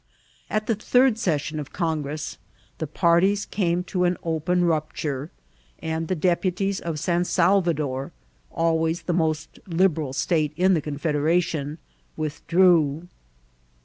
At the third session of Congress the parties came to an open rupture, and the deputies of San Sal vador, always the most Liberal state in the confedera cy, withdrew.